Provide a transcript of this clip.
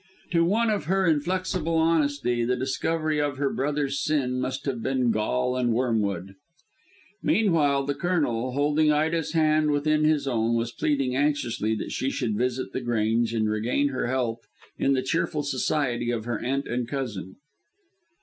To one of her inflexible honesty the discovery of her brother's sin must have been gall and wormwood. Meanwhile, the Colonel, holding Ida's hand within his own, was pleading anxiously that she should visit The Grange and regain her health in the cheerful society of her aunt and cousin.